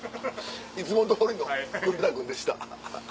いつもどおりの黒田君でした。